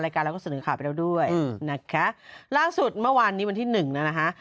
รายการเราก็เสนอข่าวไปแล้วด้วยนะคะล่างสุดเมื่อวานนี้วันที่๑นะคะ